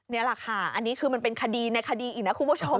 นี่แหละค่ะอันนี้คือมันเป็นคดีในคดีอีกนะคุณผู้ชม